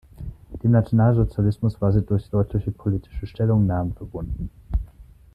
Dem Nationalsozialismus war sie durch deutliche politische Stellungnahmen verbunden.